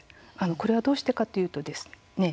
これはどうしてかというとですね